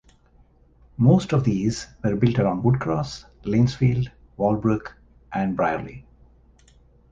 Most of these were built around Woodcross, Lanesfield, Wallbrook, and Brierley.